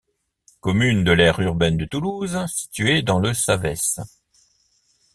Commune de l'aire urbaine de Toulouse située dans le Savès.